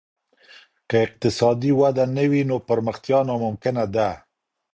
که اقتصادي وده نه وي نو پرمختيا ناممکنه ده.